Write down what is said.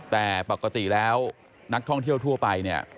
แต่ปกติแล้วนักท่องเที่ยวทั่วไปเนี่ย